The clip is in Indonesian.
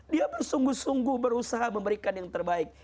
dia bersungguh sungguh berusaha memberikan yang terbaik